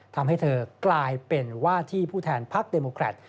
ทำให้เธอกลายเป็นว่าที่ผู้แทนภาคเดมกรัฐ